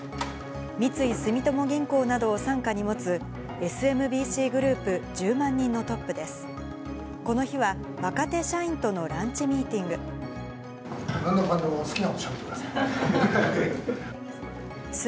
三井住友銀行などを傘下に持つ、ＳＭＢＣグループ１０万人のトップです。